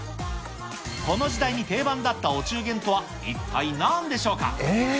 この時代に定番だったお中元とは、一体なんでしょうか？